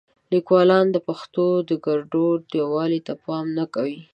لیکوالان د پښتو د ګړدودونو یووالي ته پام نه کوي.